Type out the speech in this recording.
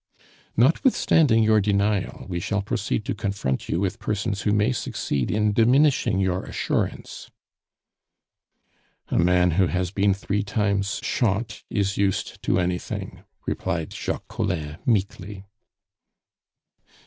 "Notwithstanding your denial, we shall proceed to confront you with persons who may succeed in diminishing your assurance" "A man who has been three times shot is used to anything," replied Jacques Collin meekly.